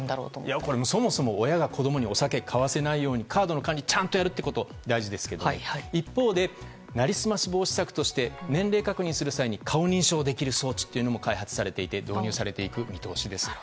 これも、そもそも親が子供にお酒を買わせないようカードの管理をちゃんとやることが大事ですけど一方で、成り済まし防止策として年齢確認する際に顔認証できる装置も開発されていて導入されていく見通しです。